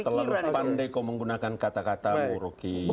terlalu pandai kau menggunakan kata kata bu rocky